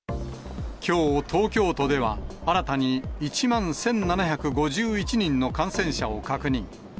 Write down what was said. きょう、東京都では新たに、１万１７５１人の感染者を確認。